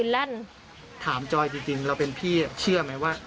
แล่นถามจอยจริงเราเป็นพี่เชื่อไหมว่า